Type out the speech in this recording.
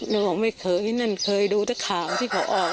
น้องบอกไม่เคยนั่นเคยดูแต่ข่าวที่เขาออก